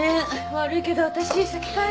悪いけど私先帰るわね。